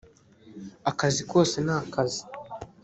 akazi kose nakazi